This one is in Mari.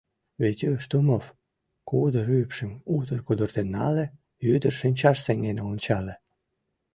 — Витюш Тумов! — кудыр ӱпшым утыр кудыртен нале, ӱдыр шинчаш сеҥен ончале.